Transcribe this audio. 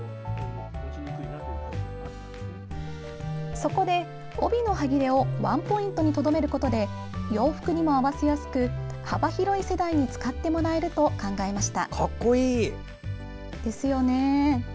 そこで、帯のはぎれをワンポイントにとどめることで洋服にも合わせやすく幅広い世代に使ってもらえると考えました。